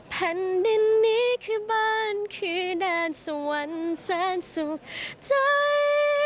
แผ่นดินนี้คือบ้านคือแดนสวรรค์แสนสุขใจ